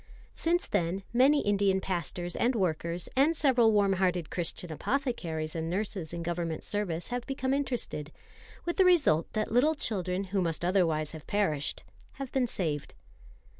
Since then many Indian pastors and workers, and several warm hearted Christian apothecaries and nurses in Government service, have become interested; with the result that little children who must otherwise have perished have been saved.